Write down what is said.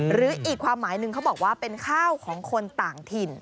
หรืออีกความหมายหนึ่งเขาบอกว่าเป็นข้าวของคนต่างถิ่น